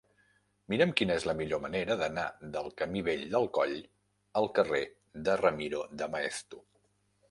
Mira'm quina és la millor manera d'anar del camí Vell del Coll al carrer de Ramiro de Maeztu.